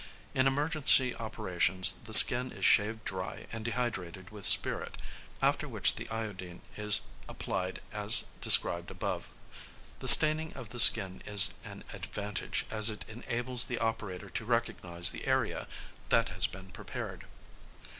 In emergency operations the skin is shaved dry and dehydrated with spirit, after which the iodine is applied as described above. The staining of the skin is an advantage, as it enables the operator to recognise the area that has been prepared.